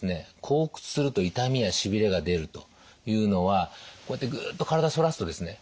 後屈すると痛みやしびれが出るというのはこうやってグッと体反らすとですね